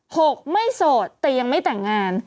หกไม่โสดแต่ยังไม่แต่งงาน